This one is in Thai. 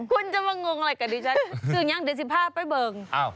คุณจะมางงอะไรกันดิฉันซื้อยังเดี๋ยวสิภาพไปเบิงอ้าว